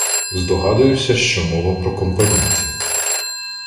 Здогадуюся, що мова про Компанійця.